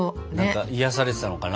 癒やされてたのかな？